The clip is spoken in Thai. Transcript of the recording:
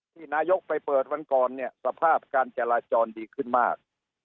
นายกไปเปิดวันก่อนเนี่ยสภาพการจราจรดีขึ้นมาก